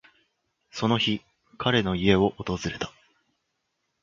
その日、彼の家を訪れた。